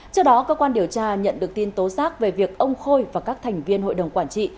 trước đó cơ quan điều tra nhận được tin tố giác về việc ông khôi và các thành viên hội đồng quản trị